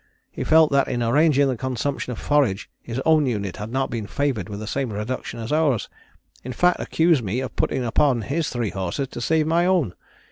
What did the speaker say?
He felt that in arranging the consumption of forage his own unit had not been favoured with the same reduction as ours, in fact accused me of putting upon his three horses to save my own.